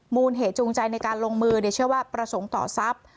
มูลเหตุจูงใจในการลงมือเชื่อว่าประสงค์ต่อทรัพย์